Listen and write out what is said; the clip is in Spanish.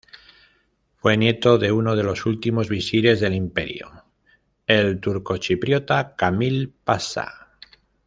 Fue nieto de uno de los últimos Visires del Imperio, el turcochipriota Kamil Pasha.